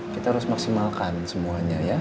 kita harus maksimalkan semuanya ya